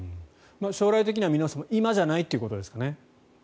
将来的には見直しても今じゃないということですかね。